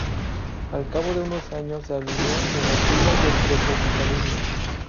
Al cabo de unos años se alineó en las filas del republicanismo.